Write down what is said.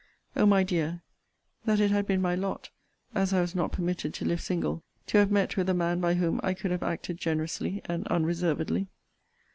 O my dear, that it had been my lot (as I was not permitted to live single,) to have met with a man by whom I could have acted generously and unreservedly!